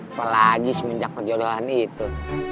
apalagi semenjak perjodohan itu